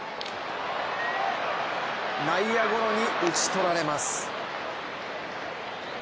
内野ゴロに打ち取られます。